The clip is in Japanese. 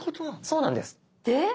そうなんです。